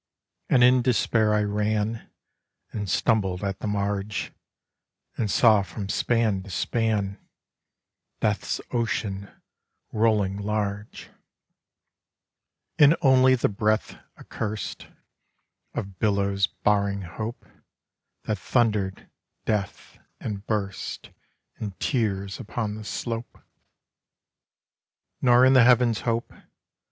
And in despair I ran, And stumbled at the marge, And saw from span to span Death's ocean rolling large; And only the breadth accursed Of billows barring hope, That thunder'd, 'Death,' and burst In tears upon the slope. Nor in the Heavens hope.